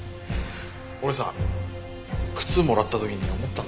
俺さ靴もらった時に思ったんだよね。